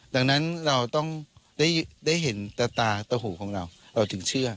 ดังนั้นเราต้องได้เห็นแต่ตาตะหูของเราเราถึงเชื่อ